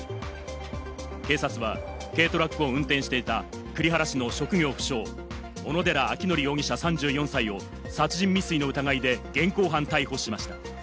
警察は軽トラックを運転していた栗原市の職業不詳、小野寺章仁容疑者、３４歳を殺人未遂の疑いで現行犯逮捕しました。